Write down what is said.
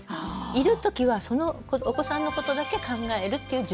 いるときはそのお子さんのことだけ考えるっていう１０分。